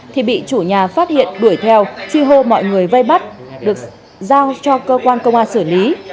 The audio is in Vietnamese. thì bị chủ nhà phát hiện đuổi theo truy hô mọi người vây bắt được giao cho cơ quan công an xử lý